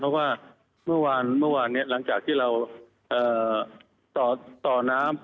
เพราะว่าเมื่อวานหลังจากที่เราต่อน้ำ